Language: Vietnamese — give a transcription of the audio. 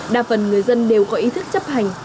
đa phần người dân đều có ý thức chấp hành